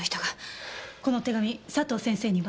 この手紙佐藤先生には？